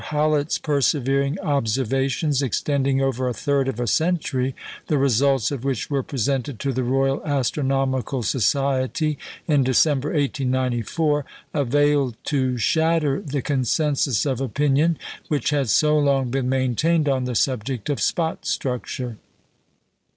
Howlett's persevering observations, extending over a third of a century, the results of which were presented to the Royal Astronomical Society in December, 1894, availed to shatter the consensus of opinion which had so long been maintained on the subject of spot structure.